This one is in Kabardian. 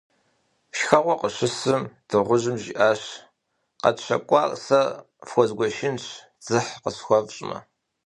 Я шхэгъуэ къыщысым, дыгъужьым жиӀащ: - КъэтщэкӀуар сэ фхуэзгуэшынщ, дзыхь къысхуэфщӀмэ.